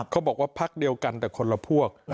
เขาบอกว่าพักเดียวกันแต่คนละพวก